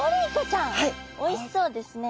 おいしそうですね。